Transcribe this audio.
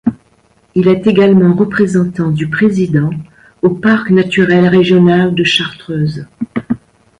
Il est également représentant du président au parc naturel régional de Chartreuse.